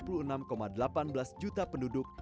pekerja sektor informal mencapai enam puluh satu tujuh juta orang